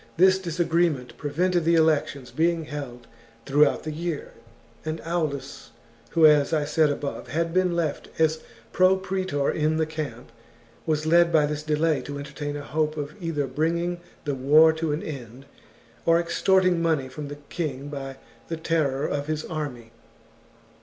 This disagreement pre vented the elections being held throughout the year, and Aulus, who, as I said above, had been left as pro praetor in the camp, was led by this delay to entertain a hope of either bringing the war to an end, or extort ing money from the king by the terror of his army.